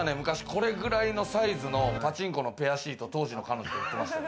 これぐらいのサイズのパチンコのペアシート、当時の彼女と行ってた。